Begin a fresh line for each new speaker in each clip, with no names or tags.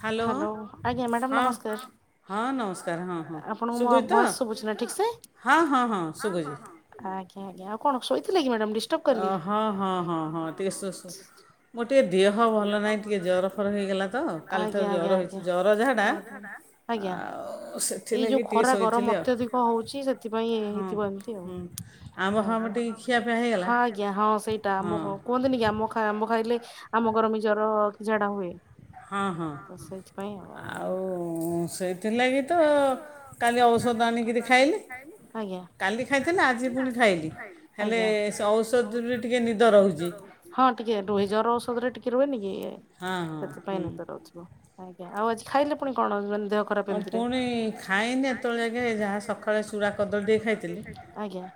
Hello ହଁ ହଁ ନମସ୍କାର ହଁ ହଁ ସୁବୁଚି ତ ହଁ ହଁ ହଁ ସବୁଚି।
ଆଜ୍ଞା ଆଉ କଣ ଶୋଇଥିଲେ କି।
ଅ ହଁ ହଁ ହଁ ହଁ ଟିକେ ସୋ ସୋ ମୁଁ ଟିକେ।
ମୋର ଟିକେ ଦେହ ଭଲ ନାହିଁ ଟିକେ ଜର ଫର ହେଇଗଲା ତ ଆଜ୍ଞା ଆଜ୍ଞା ଆଜ୍ଞା ଜର ଝାଡ଼ା ଏଇ ଯୋଉ ଖରା ଗରମ ଅତ୍ୟଧିକ ହଉଛି ସେଥିପାଇଁ ହେଇଥିବ ଏମତି ଆଉ ହୁଁ ହୁଁ। ଆଜ୍ଞା ହଁ ସେଇଟା ଆମ କୁହନ୍ତିନିକି ଆମ ଆମ୍ୱ ଖାଇଲେ। [unintelligible] ଆମ ଘର ମୀଜର କି ଝାଡା ହୁଏ।
ହଁ ହଁ ଆଉ ସେ।
ସେଥିଲାଗି ତ କାଲି ଔଷଧ ଅନିକିରି ଖାଇଲି କାଲି ଖାଇଥିଲି ଆଜି ପୁଣି ଖାଇଲି ଆଜ୍ଞା ହେଲେ ଔଷଧ ରୁ ଟିକେ ନିଦ ରହୁଛି ହିଁ ଟିକେ ଜର। ପରେ ଟିକେ ରୁହେନିକି।
ହଁ ହଁ ହୁଁ।
ଆଜ୍ଞା ଆଉ ଆଜି ଖାଇଲେ ପୁଣି କଣ ମାନେ ଯା ଖରାପ୍ ଏମିତିରେ ଆଜ୍ଞା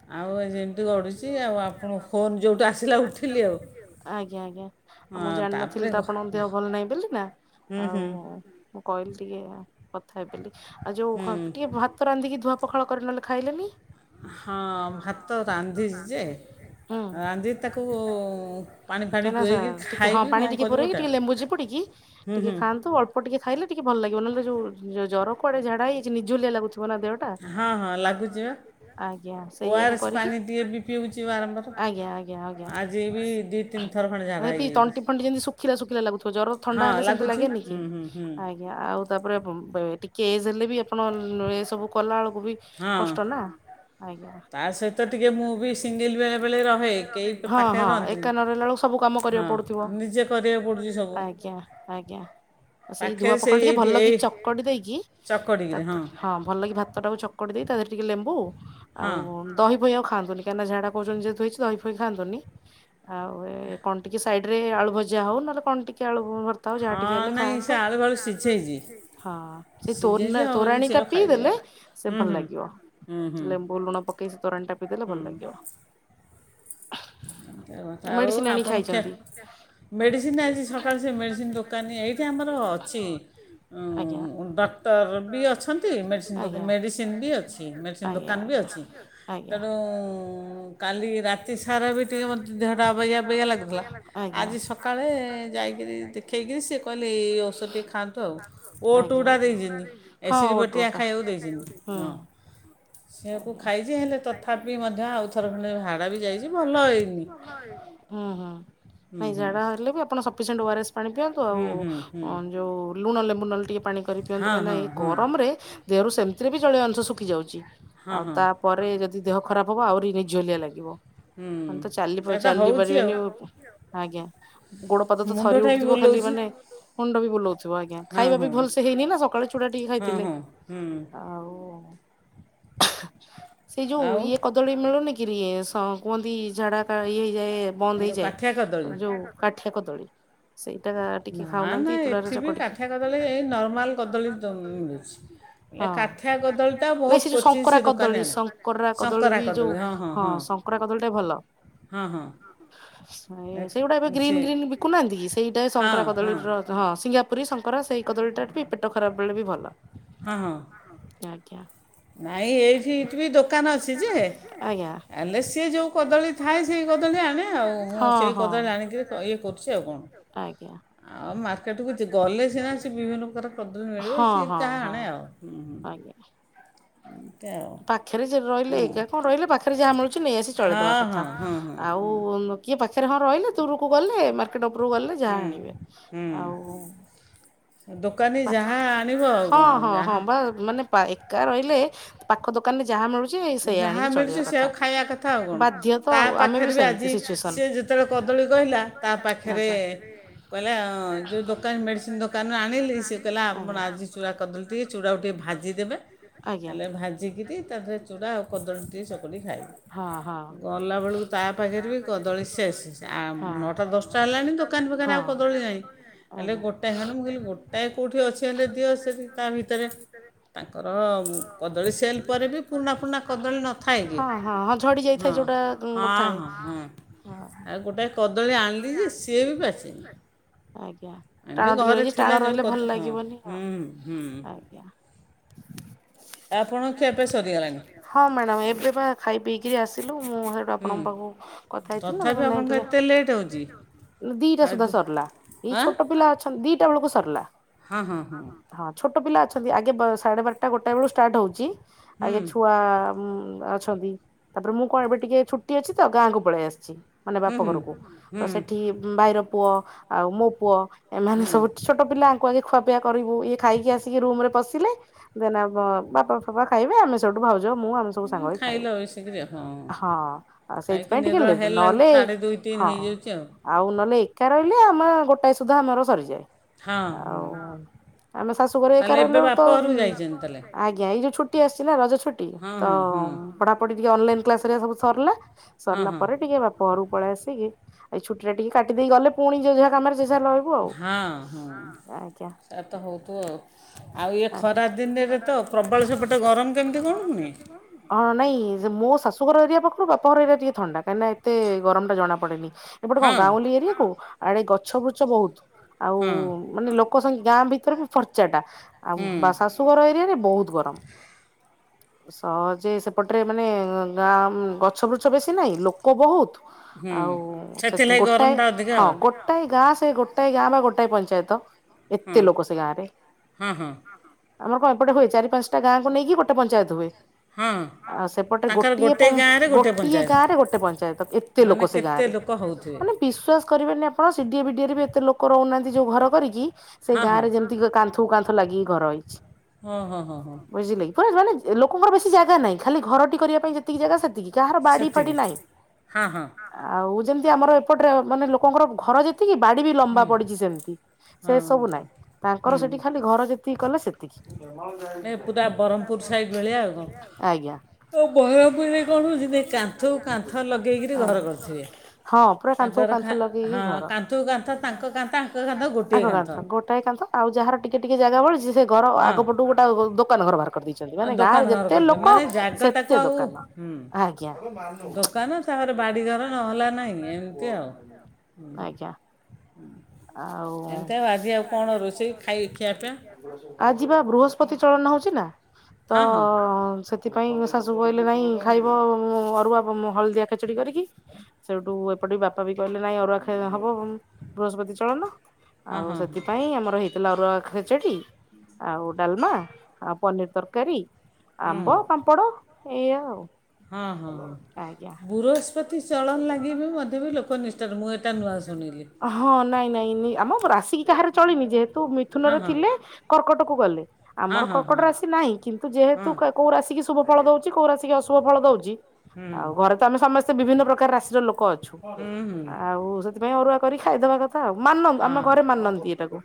ଆଜ୍ଞା ଆଜ୍ଞା ମୁଁ ଜାଣିନଥିଲି ତ ଆପଣଙ୍କ ଦେହ ଭଲ ନାହିଁ ବେଲି ନାଁ ଆଉ ମୁଁ କହିଲି ଟିକେ କଥା ହେବି ବେଲି। ଆଉ ଯୋଉ ଖନ ଟିକେ ଭାତ ରାନ୍ଧିକି ଧୁଅ ପଖାଳ କରିନେଲେ ଖାଇଲେନି? ହୁଁ କାଇଁ ନାଁ ସା ଟିକେ ହଁ ପାଣି ଟିକେ ପୁରଇକି ଟିକେ ଲେମ୍ବୁ ଚିପୁଡ଼ି କି ଟିକେ ଖାଆନ୍ତୁ ଅଳ୍ପ ଟିକେ ଖାଇଲେ ଟିକେ ଭଲ ଲାଗିବ ନଲେ ଯୋଉ ଯଉ ଜରକୁ ଆଡେ ଝାଡ଼ା ହେଇଯାଇଚି ନିଜୋରିଆ ଲାଗୁଥି ହୁଅନା ଦେହଟା‌। ଆଜ୍ଞା ସେଇଆକୁ କରିକି ଆଜ୍ଞା ଆଜ୍ଞା ଆଜ୍ଞା। ହେ ପି ତଣ୍ଟି ଫଣ୍ଟି ଯେନ୍ତି ଶୁଖିଲା ଶୁଖିଲା ଲାଗୁଥିବ ଜର ଥଣ୍ଡା ହେଲେ ସେମତି ଲାଗେନି କି? ଆଜ୍ଞା ଆଉ ତାପରେ ବେ ଟିକେ ଏଜ୍ ହେଲେ ବି ଆପଣ ଏ ସବୁ କଲାଅଳୁ ମୁଁ ବି କଷ୍ଟ ନାଁ ଆଜ୍ଞା ହଁ ହଁ ଏକା ନରହିଲା ଅଳୁକୁ ସବୁ କାମ କରିବାକୁ ପଡୁଥିବ ଆଜ୍ଞା ଆଜ୍ଞା। ତ ସେଇ ଧୁଆ ପଖଳ ଟିକେ ଭଲକି ଚ କଟି ଦେଇକି ତାପ ହଁ ଭଲ କି ଭାତଟାକୁ ଚକ କଟି ଦେଇ ତା ଦେରେ ଟିକେ ଲେମ୍ବୁ ଆଉ ଦହି ଫହି ଆଉ ଖାଆନ୍ତୁନି କାହିଁକି ନାଁ ଝାଡ଼ା କୋହୁଚନ୍ତି ଯେହେତୁଇ ଦହି ଫହି ଖାନ୍ତୁନି। ଆଉ ଏ କଣ ଟିକେ ସାଇଡରେ ଆଳୁ ଭଜା ହଉ ନହେଲେ କଣ ଟିକେ ଆଳୁ ଭ
ହଁ ନାଇଁ ସେ ଆଳୁ ବାଳୁ ସିଝେଇଚି‌।
ହଁ ସେଇ ତୋରଲା ତୋରାଣୀଟା ପିଇଦେଲେ ସେ ଭଲ ଲାଗିବ ଲେମ୍ବୁ ଲୁଣ ପକେଇ ସେ ତୋରାଣୀଟା ପିଇ ଦେଲେ ଭଲ ଲାଗିବ।
ଏଉଆ ଆଉ ଆପଣ ଖିଆ ମେଡ଼ିସିନ ଆଜି ସକାଳୁ ସେ ମେଡ଼ିସିନ ଦୋକାନୀ ଏଇଠି ଆମର ଅଛି। ଅଁ ଡକ୍ଟର ବି ଅଛନ୍ତି ମେଡ଼ିସିନ ଦୋକ ମେଡ଼ିସିନ ବି ଅଛି ମେଡ଼ିସିନ ଦୋକାନ ବି ଅଛି ତେଣୁ କାଲି ରାତି ସାରା ବି ଟିକେ ମୋତେ ଦେହଟା ଅବାଗିଆ ଅବାଗିଆ ଲାଗୁଥିଲା ଆଜି ସକାଳେ ଯାଇକିରି ଦେଖେଇକିରି ସିଏ କହିଲେ ଏଇ ଔଷଧ ଟିକେ ଖାଆନ୍ତୁ ଆଉ। ଓଟୁଟା ଦେଇଚନ୍ତି ଏସିଡ଼ି ବଟିଆ ଖାଇବାକୁ ଦେଇଚନ୍ତି ହଁ ସେଇଆକୁ ଖାଇଚି ହେଲେ ତଥାପି ମଧ୍ୟ ଆଉଥର ଖଣ୍ଡେ ଝାଡ଼ା ବି
ହୁଁ ହୁଁ।
ଯାଇଚି
ନାଇଁ ଝାଡ଼ା ହେଲେ ବି ଆପଣ ସପିସେଣ୍ଟ ଓ ଆର ଏସ୍ ପାଣି ପିଅନ୍ତୁ ଆଉ ଅଁ ଯୋଉ ବୁ ନଲେ ଟିକେ ପାଣି କରିିକି କାହିଁକି ନାଁ ଏଇ ଗରମରେ ଦେହରୁ ସେମତିରେ ବି ଜଳୀୟ ଅଂଶ ଶୁଖିଯାଉଚି। ଆଉ ତାପରେ ଯଦି ଦେହ ଖରାପ ହବ ଆହୁରି ନିଜଲିଆ ଲାଗିବ ନହେଲେ ତ ଚାଲି ଚାଲି ପାରିବେନି ଆଜ୍ଞା ଗୋଡ ପାଦ ତ ଥରି ଉଠୁଥିବ ଖାଲି ମାନେ ମୁଣ୍ଡ ବି ବୁଲଉଥିବ ଆଜ୍ଞା ଖାଇବା ବି ଭଲସେ ହେଇନି ନା ସକାଳୁ ଛୁଡ଼ା ଟିକେ ଖାଇଥିଲେ ଆଉ ସେ ଯୋଉ ଇଏ କଦଳୀ ମିଳୁନି କି ରି କୁହନ୍ତି ଝାଡାା ଇଏ ଏ ବନ୍ଦ ହେଇଯାଏ ଯୋଉ ହେ କଦଳୀ ସେଇଟା ଟିକେ ଖାଉନାହାଁନ୍ତି ଚୂଡ଼ାର ଚକ ଟିକେ
ଙ୍କରା କଦଳୀ ନର୍ମାଲ କଦଳୀ ଦ ମିଳୁଛି କାଠିଆ କଦଳୀ ଟା ବହୁତ୍ କୁଚିତ୍ ସେ ଦୋକାନୀ ଆଣେ ସଙ୍କରା କଦଳୀ ହଁ ହଁ ହଁ ହଁ ହଁ।
[inaudible] ସେଇଗୁଡା ଏବେ ଗ୍ରୀନ୍ ଗ୍ରୀନ୍ ବିକୁନାହାନ୍ତି କି ସେଇଟା ଶଙ୍କରା କଦଳୀର ହଁ ସିଙ୍ଗା ପୁରୀ ସଂକ୍ ସେଇ କଦଳୀଟା ବି ପେଟ ଖରାପ ବେଳେ ବି ଭଲ। କ୍ୟା କ୍ୟା
ନାଇଁ ଏଇ ଫିଟ୍ ବି ଦୋକାନ ଅଛି ଯେ ହେଲେ ସିଏ ଯେଉଁ କଦଳୀ ଥାଏ ସେଇ କଦଳୀ ଆଣେ ଆଉ ମୁଁ ସେଇ କଦଳୀ ଆଣିକିରି ଇଏ କରୁଛି ଆଉ କଣ ଆଉ ମାର୍କେଟକୁ ଗଲେ
ହଁ ହଁ ହଁ ଆଜ୍ଞା। ପାଖରେ ଯେ ରହିଲେ ଏକା କଣ ରହିଲେ ପାଖରେ ଯାହା ମିଳୁଛି ନେଇ ଆସି ଚଳିଇଦବା କଥା ଆଉ କିଏ ପାଖରେ ହଁ ରହିଲେ ଦୂରକୁ ଗଲେ ମାର୍ ଟ ଉପରକୁ ଗଲେ ଯାହା ଆଣିବେ ଆଉ ହଁ ହଁ ହଁ ବା ମାନେ ଏକା ରହିଲେ ପାଖ ଦୋକାନ ରେ ଯାହା ମିଳୁ
ଯାହା ମିଲୁଚି ସେୟକୁ ଖାଇବା କଥା ଆଉ କଣ ତା ପାଖରେ ବି ଆଜି ସ ଯେତେବେଳେ କଦଳୀ କହିଲା ତା ପାଖରେ କହିଲା ଯୋଉ ଦୋକାନ ମେଡ଼ିସିନ ଦୋକାନ ଆଣି ସେ କହିଲା ଆପଣ ଆଜି ଚୁଡ଼ା କଦଳୀ ଟିକେ ଚୁଡାକୁ ଟିକେ ଭାଜିଦେବେ ଭାଜିକିରି ତାପରେ ଟା ଆଉ କଦଳୀ ଟିକେ ଚକଟି ଖାଇବି। ଗଲାବେେଳକୁ ତା ପାଖରେ ବି କଦଳୀ ଶେଷ। ନଅଟା ଦଶଟା ହେଲାଣି ଦୋକାନ ପାଖରେ ଆଉ କଦଳୀ ନାହିଁ। ହେଲେ ଗୋଟାଏ ଖଣ୍ଡେ ମୁଁ କହିଲି ତା କେଉଁଠି ଅଛି ହେଲେ ଦିଅ। ସେଠି ତା ଭିତରେ ତାଙ୍କର କଦଳୀ ସେଲ ପରେ ବି
[unintelligible] ଝଡି ଯାଇଥାଏ ଯୋଉଟାଥାଏ [unintelligible] ଆଜ୍ଞା ଟାଣ ଟିକେ ରହିଛି ଟାଣ ରହିଲେ। ଭଲ ଲାଗିବନି ଆଉ ଆଜ୍ଞ ଆଉ କଣ ଖିଆପିଆ ସରିଗଲା। ହଁ ମ୍ୟାଡାମ ଏବେ ବା ଖାଇ ପିଇକିରି ଆସିଲିଲ ମୁଁ ସେଇଠୁ ଆପଣଙ୍କ ପାଖକୁ କଥା ହେଇଥିଲି। କହିଲ ନ ଟିକ ଦିଟା ସୁଦ୍ଧା ସରିଲା। ଏଇ ଛୋଟ ପିଲା ଅଛନ୍ତି ଦି ସେତେ ବେଳ କୁ ସରିଲା। ହଁ ଛୋଟ ପିଲା। ଅଛନ୍ତି ଆଗେ ସାଢ଼େ ବାରଟା ଗୋଟା ବେଳୁ ଷ୍ଟାର୍ଟ ହୋଉଚି। ଆଗେ ଛୁଆ ଉଁ ଅଛନ୍ତି ତାପରେ ମୁଁ କଣ ଏବେ ଟିକେ ଛୁଟି ଅଛି। ତ ଗାଁକୁ ପଳେଇ ଆସିଛି। ମାନେ ବାପ ଘରକୁ ତ ସେଠି ଭାଇର ପୁଅ। ଆଉ ମୋ ପୁଅ। ଏମାନେ ସବୁସ ଛୋଟ ପିଲା। ଖୁଆପିଆ କରିବୁ। ଇଏ ଖାଇକି ଆସିକି ରୁମ ରେ ପସିଲେ। ଦେନ ବାପା ଫାପା ଖାଇବେ ଆମେ ସଉଠୁ ଭାଉଛ ତ ମୁଁ ଆମେ ସଦୁ ସାଙ୍ଗ ହେଇକି ଖାଉ। ହଁ ସେଇଥି ପାଇଁ ଟିକେ ଲେଟ୍ ହୁଏ। ନହେଲେ ହଁ ଆଉ ନହେଲେ ଶା ରହିଲେ ଆମ ଗୋଟଏ ସୁଦ୍ଧା ଆମର ସରିଯାଏ। ଆଉ ଆମେ ଶାଶୁଘର ଏକାରହିଲ। ତ ଆଜ୍ଞା ଏଇ ଯୋଉ ଛୁ ଟି ଆସିିଲ ନା ରଜ ଛୁ ଛ ତ ପଢାପଢି। ଅନଲାଇନ କ୍ଲାସ ଏବେ ସରିଲା। ସରିଲା ପରେ ଟିକେ ବାପ ଘରକୁ ପଳେଇ ଆସିକି ଏଇ ଛୁଟି ଟା ଟିକେ କାଟିଦେ ଗଲେ। ପୁଣି ଯଉ ଯାହା କାମରେ
ହଁ। ସେ ତ ହଉଥିବ।
[unintelligible] ହଁ ନାଇଁମ ସ ଶାଶୁଘର ଏରିଆ ପାଖରୁ ବାପଘର ଏରିଆ ଟିକଏ ଥଣ୍ଡା। କାହିଁକିନା ଏତ ଗରମ ଟା ଜଣାପଡ଼େନି। ଏପଟେ କଣ ଗାଉଁଲି ଏରିଆ କୁ ଆଡେ ଗଛ ବୃଛ ବହୁତ୍। ଆଉ ମାନେ ଲୋକ କୋ ସ ଙ୍ଗି ଗାଁ ଭିତରେ ବି ଫର୍ ଚଡ଼ା ଆଉ ହଁ ବା ଶାଶୁଘର ଏରିଆରେ ବହୁତ ଗରମ ସହଜେ ସେପଟରେ ମାନେ ଗାଁ ଗଛ ବୁଛ ବେଶୀ ନହିଁ ଲୋକ ବହୁତ ଆଉ ସେ ଗୋଟାଏ ହଁ ଗୋଟାଏ ଗାଁ ସେ ସେ ଗୋଟାଏ ଗାଁ ବା ଗୋଟାଏ ପଞ୍ଚାୟତ ଏତେ ଲୋକ ସେ ଗାଁରେ
ହଁ ହଁ
ଆମର କଣ ଏପଟେ ହୁଏ ଚାରି ପାଞ୍ଚଟା ଗାଁକୁ ନେଇକି ଗୋଟେ ପଞ୍ଚାୟତ ହୁଏ ଆଉ ସେପଟେ ଗୋଟିଏ ପ ମ ଗୋଟିଏ ଗାଁରେ ଗୋଟେ ପଞ୍ଚାୟତ ଏତେ ଲୋକ ସେ ଗାଁ ରେ ମାନେ ବବିଶ୍ୱାସ କରିବେନି ଆପଣ ସିଡିଏ ବିଡିରେ ବି ଏତେ ଲୋକ ରହୁନାହାନ୍ତି ଯେଉଁ ଘର କରିକି ସେଇ ଗାଁ ରେ ସେମିତି କା କାନ୍ଥ କୁ କାନ୍ଥ ଲାଗିକି ଘର ହେଇଛି
ହଁ ହଁ ହଁ ହଁ
କ ଜ ମାନେ ଲୋକଙ୍କର ବେଶୀ ଜାଗା ନାହିଁ ଖାଲି ଘରଟି କରିବା ପାଇଁ ଯେତିକି ଜାଗା ସେତିକି କହାର ବାଡି ଫାଡି ନାହିଁ ଆଉ ଯେମିତି ଆମର ଏପଟରେ ମାନେ ଲୋକଙ୍କର ଘର ଯେ ତିକି ବାଡି ବି ଲମ୍ବା ପଡିଛି ସେମିତି ସେ ସବୁ ନାଇଁ ତାଙ୍କର ସେଠିକି ଖାଲି ଘର ଯେତିକି କଲେ ସେତିକି ଆଜ୍ଞା ହଁ ପୁରା କାନ୍ଥକୁ କାନ୍ଥ ଲଗେଇକି ଘର ଆଗ କାନ୍ଥ ଗୋଟାଏ କାନ୍ଥ ଆଉ ଯାହାର ଜାଗା ବଳିଛି ସେ ଘର ଆଗ ପଟୁ ଗୋଟା ଅ ଦୋକାନ ଘର ବାହର କରିଦେଇ ଛନ୍ତି ମାନେ ଗାଁରେ ଯେତେ ଲୋକ ସେତେ ଦୋକାନ ଆଜ୍ଞା ଆଜ୍ଞା ଆଉ ଆ ଯିବା ବୃହସ୍ପତି ଚଳନ ହଉଛି ନା ତ ସେଥ ସେଥିପାଇଁ ଶାଶୁ କହିଲେ ନାଇଁ ଖାଇବ ଅରୁଆ ହଳଦିଆ ଖେଚଡି କରିକି ସେଇଠୁ ଏପଟେ ବି ବାପା ବି କହିଲେ ନାଇଁ ଅରୁଆ ହବ ବୃହସ୍ପତି ଚଳନ ଆଉ ସେଥିପାଇଁ ଆମର ହେଇ ଲା ଅରୁଆ ଖେଚେଡି ଆଉ ଡାଲମା ଆଉ ପନିର ତରକାରୀ ଆମ୍ବ ପାମ୍ପଡ଼ ଏଇ ଆଉ
ହଁ ହଁ ହଁ ବୃହସ୍ପତି ଚଳନ ଲାଗିବି ମଧ୍ୟ ବି ଲୋକ ନିଷ୍ଠାରେ ମୁଁ ଏଇଟା ନୂଆ ଶୁଣିଲି
ହଁ ନାଇଁ ନାଇଁଁ ଆମ ରାସିକି କାହାର ଚଳିନି ଯେହେତୁ ମିଥୁନରେ ଥିଲେ କର୍କଟ କୁ ଗଲେ ଆମର କର୍କଟ ରାଶି ନାହିଁ କିନ୍ତୁ ଯେହେତୁ କୋଉ ରାଶି କି? ଶୁଭ ଫଳଦଉ କୋଉ ରାଶି ଅଶୁଭ ଫଳ ଦଉଛି ଆଉ ଘରେ ତ ଆମେ ସମସ୍ତେ ବିଭିନ୍ନ ପ୍ରକାର ରାଶିର ଲୋକ ଅଛୁ ଆଉ ସେଥିପାଇଁ ଅରୁଆ କରି ଖାଇଦବା କଥା ମାନଉ ଆମ ଘରେ ମାନନ୍ତି ଏଟାକୁ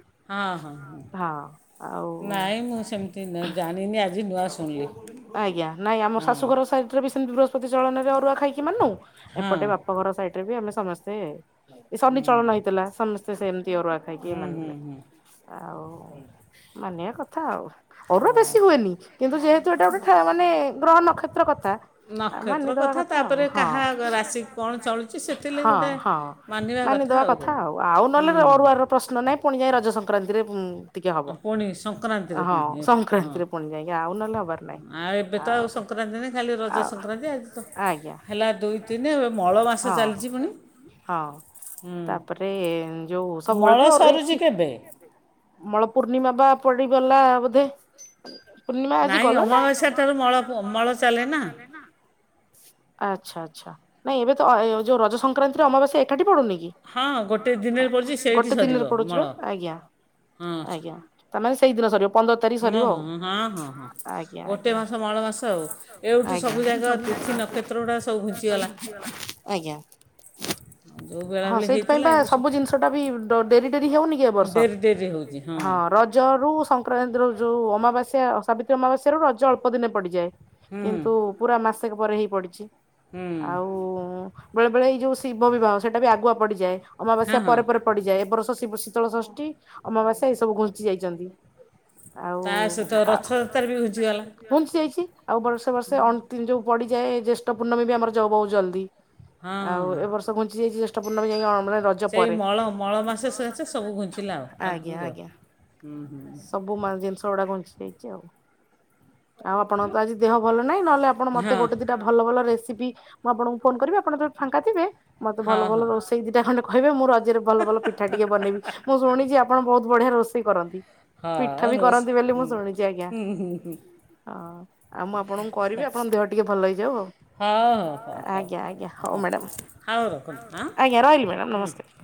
ହଁ ଆଉ ଆଜ୍ଞା ନାଇଁ ଆମ ଶାଶୁଘର ସାଇଡ ରେ ସେମିତି ପ୍ରତି ଚଳନରେ ଅରୁଆ ଖାଇ ମାନୁ ଏପଟେ ବାପା ଘର ସାଇଡ୍ ରେ ବି ଆମେ ସମସ୍ତେ ଚଳନ ହେଇଥିଲା ସମସ୍ତେ ସେମ୍ ଖିଓର ହେବା ପାଇଁ କିଏ ମାନିଲେ ଆଉ ମାନିବା କଥା ଆଉ ଅରୁଆ ବେଶୀ ହୁଏନି କିନ୍ତୁ ଯେହେତୁ ଏଇଟା ଗୋଟେ ଖେଳ ମାନେ ଗ୍ରହ ନକ୍ଷତ୍ର କଥା ମାନିଦବା କଥା ଆଉ ହଁ ହଁ ହଁ ମାନିଦବା କଥା ଆଉ ଆଉ ନହଲେ ଅରୁଆର ପ୍ରଶ୍ନ ନହିଁ ପୁଣି ଯାଇ ରଜ ସଂକ୍ରାନ୍ତିରେ ହୁଁ ଟିକେ ହବ ହଁ ସଂକ୍ରାନ୍ତିରେ ପୁଣି ଯାଇକ ଆଉ ନହେଲେ ହବାର ନାଇଁ ଆଉ ଆଉ ଆଜ୍ଞା ହଁ ହଁ ତାପରେ ଯୋଉ ସବୁବେଳେ ବି ଅରୁଆ ଇଖି ମଳ ପୂର୍ଣ୍ଣିମା ବା ପଡିଗଲା ବୋଧେ ପୂର୍ଣ୍ଣିମା ଆଜି ଗଲ ନା ଏଇ ଅମାବାସ୍ୟା ଠାରୁ ମଳ ମଳ ଚାଲେ ନା ଆଛା ଆଚ୍ଛା ନାଇଁ ଏବେ ତ ଯୋଉ ରଜ ସଂକ୍ରାନ୍ତିରେ ଅମାବାସ୍ୟା ଏକାଠି ପଡୁନି
ହଁ ଗୋଟେ ଦିନରେ ପଡ଼ିଛି ସେଇଠି ସରିବ ମଳ ହଁ ଆଚ୍ଛା
ସେମାନେ ସେଇଦିନ ସରିବ
ନାହଁ ହଁ ହଁ ଗୋଟେ ମାସ ମଳ ମାସ ଆଉ ଏଇଠି ସବୁ ଜାଗା ତିଥି ନକ୍ଷତ୍ର ଗୁଡା ସବୁ ଘୁଞ୍ଚିଗଲା
ହଁ ସେଇଥିପାଇଁ ବା ସବୁ ଜିନିଷ ଟା ବି ଡେରି ଡେରି ହଉନି କି ଏ ବର୍ଷ ହଁ ରଜ ରୁ ସଂକ୍ରାନ୍ତି ରହୁଛି। ଯଉ ଅମାବାସ୍ୟା ସାବିତ୍ରୀ ଅମାବାସ୍ୟା ରଜ ଅଳ୍ପ ଦିନେ ପଡିଯାଏ କିନ୍ତୁ ପୁରା ମାସ ସେ ପରେ ହିଁ ପଡିଛି ଆଉ ବଳେବେଳେ ଯଉ ଶିବ ବି ବା ସେଇଟା ବି ଆଗୁଆ ପଡ଼ିଯାଏ। ଅମାବାସ୍ୟା ପରେ ପଡିଯାଏ। ଏ ବ ଶୀ ଶୀତଳ ଷଷ୍ଠୀ ଅମାବାସ୍ୟା ଏଇ ସବୁ ଘୁଞ୍ଚି ଯାଇଛନ୍ତି। ଆଉ ଘୂଞ୍ଚି ଯାଇଛି। ଆଉ ବର୍ଷେ ବର୍ଷେ ଅଣ ତିନି ଯୋଉ ପଡ଼ିଯଏ ଜେଷ୍ଠ ପୂର୍ଣ୍ମୀ ବି ଆମ ଯାଉ ବହୁ ଜଲଦି ଆଉ ଏ ବର୍ଷ ଜେଷ୍ଟ ପୂର୍ଣ୍ଣମୀ ଯାଇ
ସେଇ ମଳ ମଳ ମାସେ ସେସେ ସବୁ ଘୁଞ୍ଚିଲା ଆଉ ଆଗକୁକୁ
ସବୁ ଜିନିଷ କା ଘୁଞ୍ଚି ଯାଇଛି ଆଉ। ଆଉ ଆପଣଙ୍କ ତ ଆଜି ଦେହ ଭଲ ନାଇ ନହେଲେ ଆଣ ମତେ ଗଟେ ଦଟା ଭଲ ରେସି ିବି ମୁଁ ଆପଣଙ୍କୁ ଫୋନ କରିବି ଆପଣ ଜେତ ବଳେ ଫାଙ୍କା ଥିବେ ମତେ ଭଲ ଭଲ ରୋଷେଇ ଦିଟା ଖଣ୍ଡେ ହେବେ ମୋର ରେ ଭଲ ଭଲ ପିଠା ଟିକେ ବନେଇବ। ମୁ ଶୁଣିଛି ଆପଣ ବହୁତ ବଢିଆ ରୋଷେଇ କରନ୍ତି। ପିଠା ବି କରନ୍ତି ବୋଲି ମୁଁ ଶୁଣିଛି ଆଜ୍ଞା। ହଁ। ଆଉ ମୁଁ ଆପଣଙ୍କୁ କରିବି ଆପଣଙ୍କ ଦେହ ଟିକେ ଭଲ ହେଇଯାଉ ଆଉ। ଆଜ୍ଞା ଆଜ୍ଞା ହଉ ମ୍ୟାଡ଼ାମ ରିହି଼ଲି ମ୍ୟାଡ଼ାମ ନମସ୍କାର।